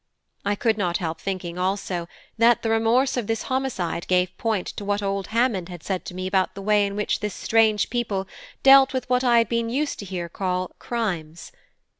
I could not help thinking, also, that the remorse of this homicide gave point to what old Hammond had said to me about the way in which this strange people dealt with what I had been used to hear called crimes.